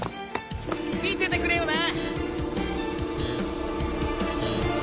見ててくれよな！